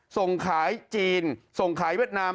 ส่งขายจีนส่งขายเวียดนาม